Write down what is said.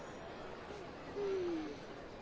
☎うん。